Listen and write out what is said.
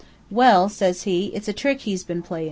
"'Well,' says he, 'it's a trick he's been playin'.